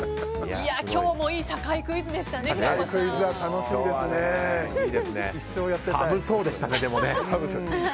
今日もいいサカイクイズでしたね。